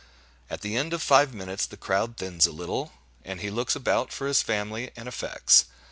At the end of five minutes the crowd thins a little, and he looks about for his family and effects.